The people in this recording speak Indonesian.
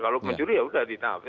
kalau mencuri ya sudah ditafsi